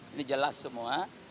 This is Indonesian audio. ini jelas semua